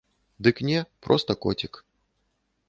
Дык не, проста коцік.